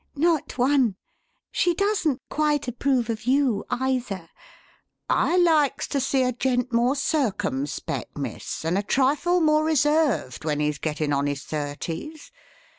"Not one. She doesn't quite approve of you, either. 'I likes to see a gent more circumpec', miss, and a trifle more reserved when he's gettin' on his thirties.